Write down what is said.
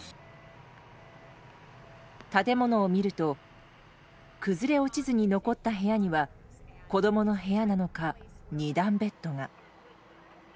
建物を見ると崩れ落ちずに残った部屋には子供の部屋なのか、２段ベッドが。